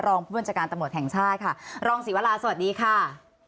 รองผู้บัญชาการตำรวจแห่งชาติค่ะรองศรีวราสวัสดีค่ะ